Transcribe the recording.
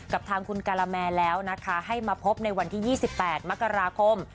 กับทางคุณการาแมนแล้วนะคะให้มาพบในวันที่๒๘มกราคม